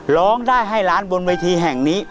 ร้องได้ให้ล้านบนเวทีแห่งนี้